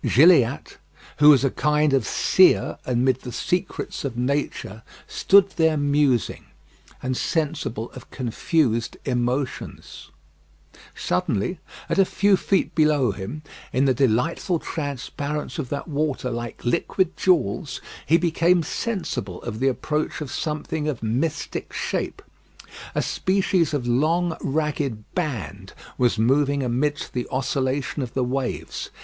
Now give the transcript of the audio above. Gilliatt, who was a kind of seer amid the secrets of nature, stood there musing, and sensible of confused emotions. Suddenly, at a few feet below him, in the delightful transparence of that water like liquid jewels, he became sensible of the approach of something of mystic shape. A species of long ragged band was moving amidst the oscillation of the waves.